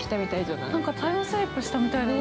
◆なんか、タイムスリップしたみたいだよね。